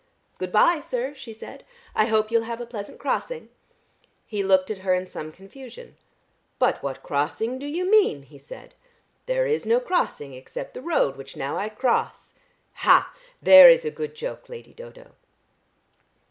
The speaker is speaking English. "Good bye, sir," she said. "I hope you'll have a pleasant crossing." He looked at her in some confusion. "But what crossing do you mean?" he said. "There is no crossing except the road which now I cross. Ha! There is a good choke, Lady Dodo."